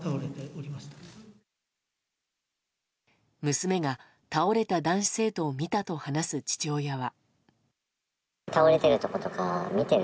娘が倒れた男子生徒を見たと話す父親は。